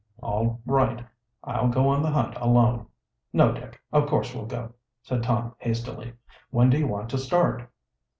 "All right; I'll go on the hunt alone." "No, Dick, of course we'll go," said Tom hastily. "When do you want to start?"